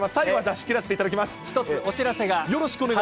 １つお知らせが。